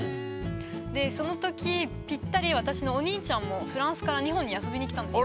でその時ぴったり私のお兄ちゃんもフランスから日本に遊びに来たんですよ。